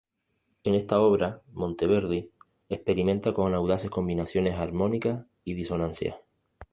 En esta obra, Monteverdi experimenta con audaces combinaciones armónicas y disonancias.